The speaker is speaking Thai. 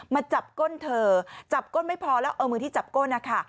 มาจับก้นเธอจับก้นไม่พอแล้วเอามือที่จับก้นนะคะ